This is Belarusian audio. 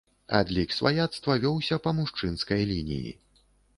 Адлік сваяцтва вёўся па мужчынскай лініі.